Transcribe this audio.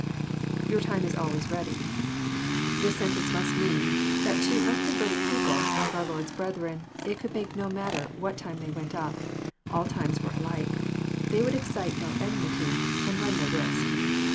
[ Tour time is alway ready.'] This sentence must mean, that to unconverted people, like our Lord's brethren, it could make no matter what time they went up. All times were alike. They would excite no enmity, and run no risk.